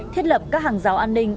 thiết lập các hàng rào an ninh